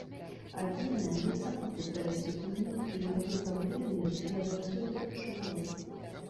Адзінае, я сама пытаюся, бо нейкія яго праблемы я заўсёды адчуваю.